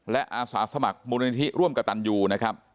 และอาสาสมัครมูลนิธิร่วมกับตันยูนะครับ